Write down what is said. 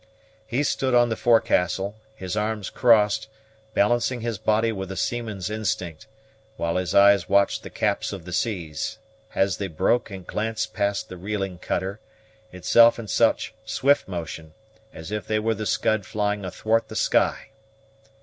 He stood on the forecastle, his arms crossed, balancing his body with a seaman's instinct, while his eyes watched the caps of the seas, as they broke and glanced past the reeling cutter, itself in such swift motion, as if they were the scud flying athwart the sky.